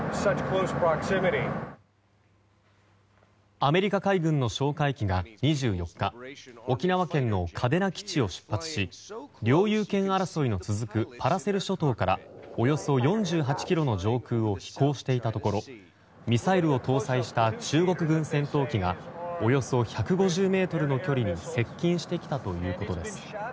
アメリカ海軍の哨戒機が２４日沖縄県の嘉手納基地を出発し領有権争いの続くパラセル諸島からおよそ４８ｋｍの上空を飛行していたところミサイルを搭載した中国軍戦闘機がおよそ１５０ｍの距離に接近してきたということです。